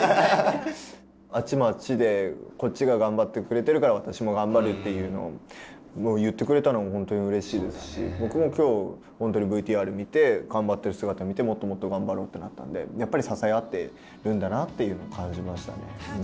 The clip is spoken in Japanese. あっちもあっちでこっちが頑張ってくれてるから私も頑張るっていうのを言ってくれたのもほんとにうれしいですし僕も今日ほんとにＶＴＲ見て頑張ってる姿見てもっともっと頑張ろうってなったんでやっぱり支え合ってるんだなっていうのを感じましたね。